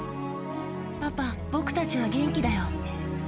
パパ、僕たちは元気だよ。